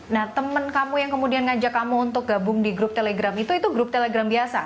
nah temen kamu yang kemudian ngajak kamu untuk gabung di grup telegram itu grup telegram biasa